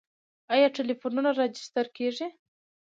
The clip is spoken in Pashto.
آیا ټلیفونونه راجستر کیږي؟